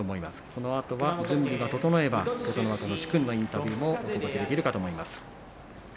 このあと準備が整えば琴ノ若の殊勲のインタビューをお届けできるかと思います。